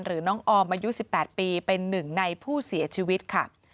หรือน้องออมอายุ๑๘ปีเป็นหนึ่งในผู้เสียชีวิตค่ะ